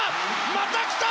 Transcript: また来た！